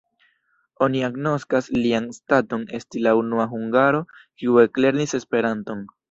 Oni agnoskas lian staton esti la unua hungaro, kiu eklernis Esperanton.